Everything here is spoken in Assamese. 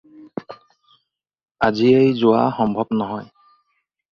আজিয়েই যোৱা সম্ভব নহয়।